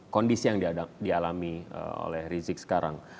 kondisi yang dialami oleh rizik sekarang